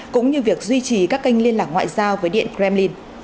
cũng như việc duy trì các kênh liên lạc ngoại giao với điện kremlin